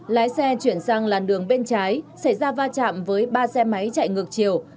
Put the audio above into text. lái xe chuyển sang làn đường bên trái xảy ra va chạm với ba xe máy chạy ngược chiều